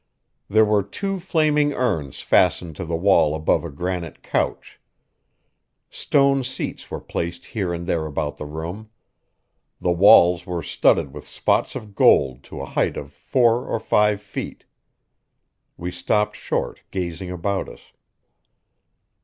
There were two flaming urns fastened to the wall above a granite couch. Stone seats were placed here and there about the room. The walls were studded with spots of gold to a height of four or five feet. We stopped short, gazing about us.